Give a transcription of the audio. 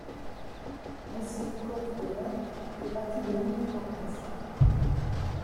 Rozier-Côtes-d'Aurec fait partie des monts du Forez.